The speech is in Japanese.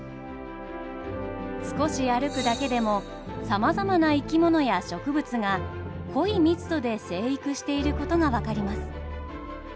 少し歩くだけでもさまざまな生き物や植物が濃い密度で生育していることが分かります。